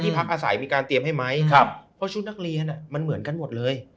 พักอาศัยมีการเตรียมให้ไหมครับเพราะชุดนักเรียนมันเหมือนกันหมดเลย